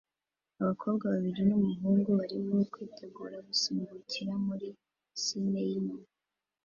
Abakobwa babiri n'umuhungu barimo kwitegura gusimbukira muri pisine yinyuma